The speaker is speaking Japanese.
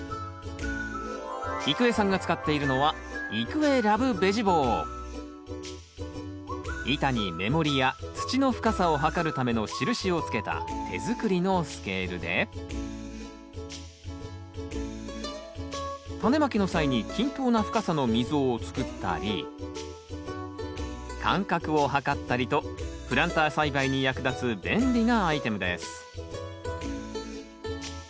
郁恵さんが使っているのは板に目盛りや土の深さを測るための印をつけた手作りのスケールでタネまきの際に均等な深さの溝を作ったり間隔を測ったりとプランター栽培に役立つ便利なアイテムです